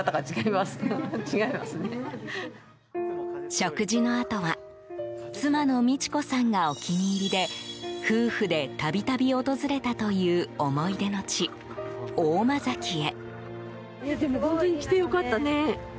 食事のあとは妻の美智子さんがお気に入りで夫婦で度々訪れたという思い出の地、大間崎へ。